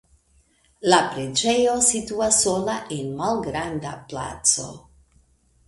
La preĝejo situas sola en malgranda placo.